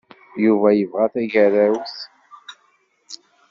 Yuba yebɣa tagerrawt.